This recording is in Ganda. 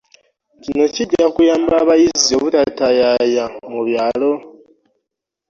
Kino kijja kuyamba abayizi obutataayaaya mu byalo